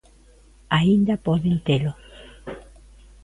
Aínda poden telo.